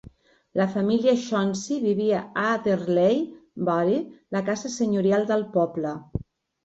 La família Chauncy vivia a Ardeley Bury, la casa senyorial del poble.